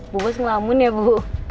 bu bos ngelamun ya bu